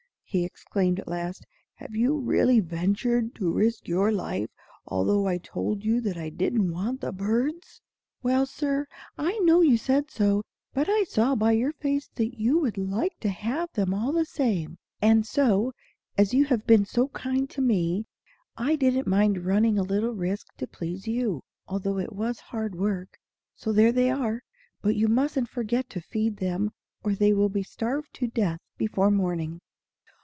he exclaimed at last. "Have you really ventured to risk your life, although I told you that I didn't want the birds?" "Well, Sir, I know you said so; but I saw by your face that you would like to have them all the same; and so, as you had been so kind to me, I didn't mind running a little risk to please you, although it was hard work. So there they are; but you mustn't forget to feed them, or they will be starved to death before morning."